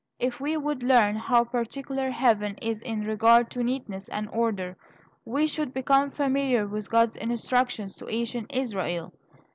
If we would learn how particular Heaven is in regard to neatness and order, we should become familiar with God's instructions to ancient Israel.